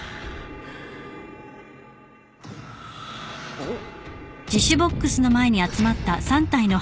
おっ？